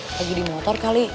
lagi di motor kali